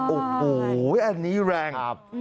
โอ้โหอันนี้แรง